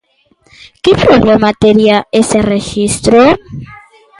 ¿Que problema tería ese rexistro?